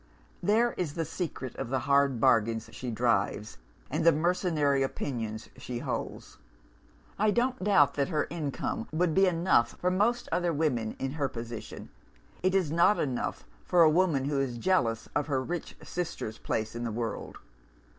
There is the secret of the hard bargains she drives, and the mercenary opinions she holds. I don't doubt that her income would be enough for most other women in her position. It is not enough for a woman who is jealous of her rich sister's place in the world.